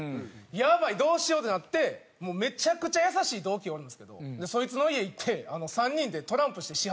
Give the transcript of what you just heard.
やばいどうしよう！ってなってめちゃくちゃ優しい同期おるんですけどそいつの家行って３人で。